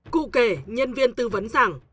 cụ kể nhân viên tư vấn rằng